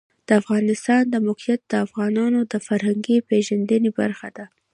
د افغانستان د موقعیت د افغانانو د فرهنګي پیژندنې برخه ده.